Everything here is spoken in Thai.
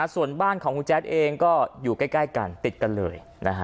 ส่วนบ้านของคุณแจ๊ดเองก็อยู่ใกล้กันติดกันเลย